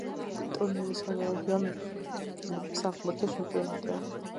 ტურნირის ანალოგია ევროპის საფეხბურთო ჩემპიონატი.